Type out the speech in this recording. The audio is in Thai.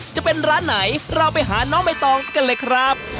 จะเป็นร้านไหนเราไปหาน้องใบตองกันเลยครับ